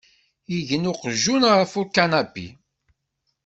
Igen uqjun ɣef ukanapi.